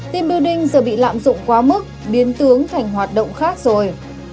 team building giờ bị lạm dụng quá mức biến tướng thành hoạt động khác rồi